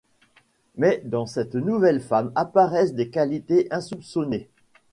Mais dans cette nouvelle femme apparaissent des qualités insoupçonnées.